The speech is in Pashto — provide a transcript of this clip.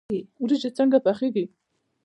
وریجې څنګه پخیږي؟